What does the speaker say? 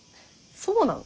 そうなん？